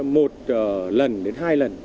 một lần đến hai lần